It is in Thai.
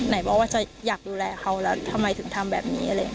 ไหนบอกว่าจะอยากดูแลเขาแล้วทำไมถึงทำแบบนี้เลย